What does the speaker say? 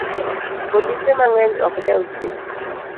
Polise mang'eny ok dew chik